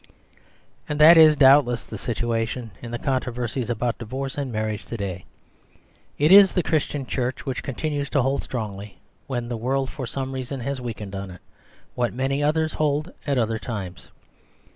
And that is doubtless the situation in the controversies about divorce and marriage to day. It is the Christian church which con tinues to hold strongly, when the world for some reason has weakened on it, what many others hold at other times.